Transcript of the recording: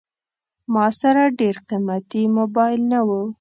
ما سره ډېر قیمتي موبایل نه و.